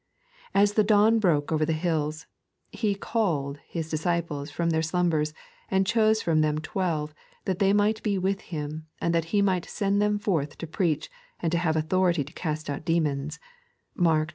As the dawn broke over the hills, He adkd His disciples from their slumbers, and chose from them twelve, that they might be with Him, and that He might send them forth to preach, and to have authority to cast out demons (Mark iii.